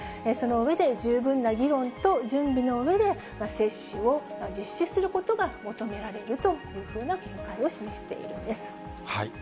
その上で十分な議論と準備のうえで、接種を実施することが求められるというふうな見解を示しているんです。